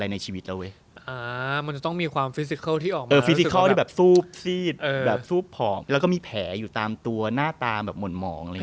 มีข้อที่แบบซูบซีดซูบผอมแล้วก็มีแผลอยู่ตามตัวหน้าตามหมดมอง